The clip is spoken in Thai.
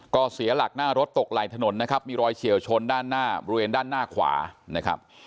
ก็เสียหลักหน้ารถตกไหลถนนนะครับมีรอยเฉียวชนด้านหน้าบริเวณด้านหน้าขวานะครับ